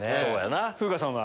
風花さんは？